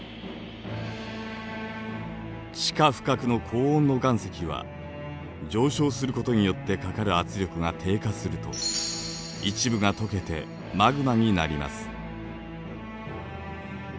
地下深くの高温の岩石は上昇することによってかかる圧力が低下すると一部がとけてマグマになります。